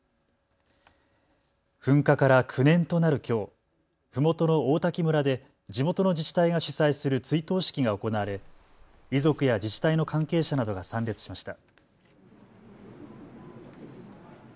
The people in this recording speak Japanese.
噴火から９年となるきょう、ふもとの王滝村で地元の自治体が主催する追悼式が行われ遺族や自治体の関係者などが参列しました。